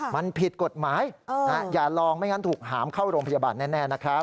มันผิดกฎหมายอย่าลองไม่งั้นถูกหามเข้าโรงพยาบาลแน่นะครับ